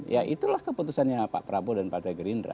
ya itulah keputusannya pak prabowo dan pak tegir indra